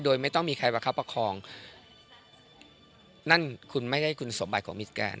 โดยไม่ต้องมีใครประคับประคองนั่นคุณไม่ได้คุณสมบัติของมิสแกน